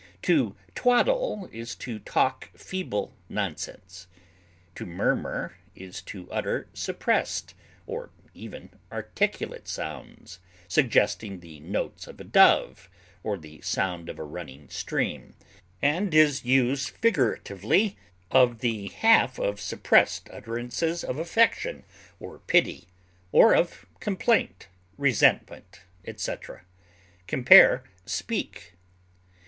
To twaddle is to talk feeble nonsense. To murmur is to utter suppressed or even inarticulate sounds, suggesting the notes of a dove, or the sound of a running stream, and is used figuratively of the half suppressed utterances of affection or pity, or of complaint, resentment, etc. Compare SPEAK.